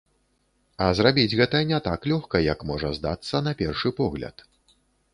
А зрабіць гэта не так лёгка, як можа здацца на першы погляд.